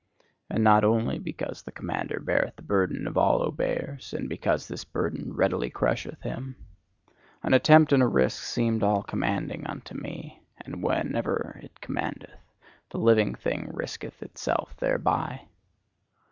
And not only because the commander beareth the burden of all obeyers, and because this burden readily crusheth him: An attempt and a risk seemed all commanding unto me; and whenever it commandeth, the living thing risketh itself thereby.